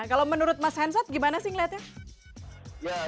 kalau menurut mas hensot gimana sih ngelihatnya